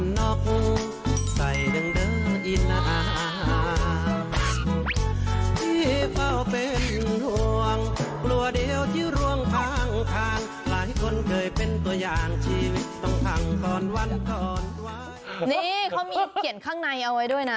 นี่เขาเขียนข้างในเอาไว้ด้วยนะ